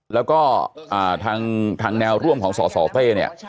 แล้วก็ทางแนวร่วมของสสเต๊ะ